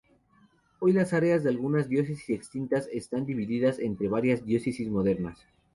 Hoy las áreas de algunas diócesis extintas están divididas entre varias diócesis modernas.